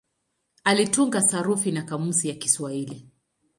Alitunga sarufi na kamusi ya Kiswahili.